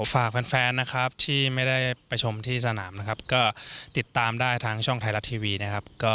ฝากแฟนที่ไม่ได้ไปชมที่สนามก็ติดตามทางช่องไทยรัฐทีวี